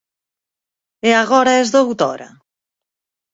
E agora es doutora?